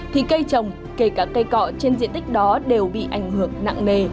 thì cây trồng kể cả cây cọ trên diện tích đó đều bị ảnh hưởng nặng nề